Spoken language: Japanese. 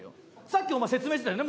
さっきお前説明してたよね